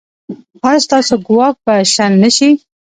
ایا ستاسو ګواښ به شنډ نه شي؟